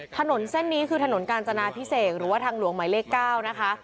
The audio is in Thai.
ถนนเส้นนี้คือถนนกาญจนาพิเศษหรือว่าทางหลวงหมายเลข๙นะคะ